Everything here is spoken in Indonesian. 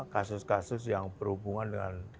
kasus kasus yang berhubungan dengan